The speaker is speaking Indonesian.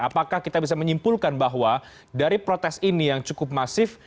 apakah kita bisa menyimpulkan bahwa dari protes ini yang cukup masif